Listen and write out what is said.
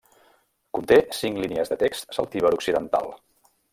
Conté cinc línies de text celtiber occidental.